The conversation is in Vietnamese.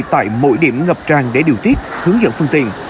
tại mỗi điểm ngập tràn để điều tiết hướng dẫn phương tiện